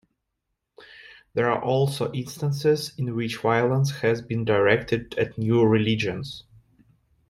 There are also instances in which violence has been directed at new religions.